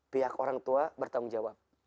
pihak orang tua bertanggung jawab